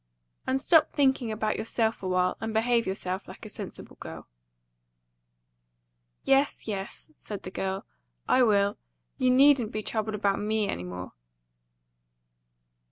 And stop thinking about yourself a while, and behave yourself like a sensible girl." "Yes, yes," said the girl; "I will. You needn't be troubled about me any more."